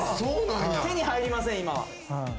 手に入りません今は。